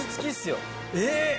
えっ！